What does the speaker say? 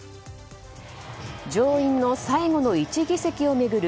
上院の最後の１議席を巡る